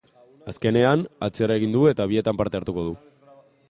Azkenean, atzera egin du eta bietan parte hartuko du.